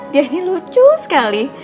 dia ini lucu sekali